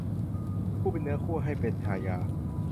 ผู้เป็นเนื้อคู่ให้เป็นชายา